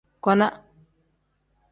Kona.